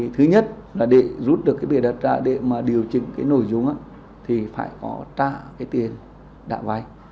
thứ nhất để rút được bề đất ra để điều chỉnh nội dung phải có trả tiền đạ vay